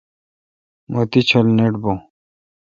مہ تی ڄھل نٹ بون۔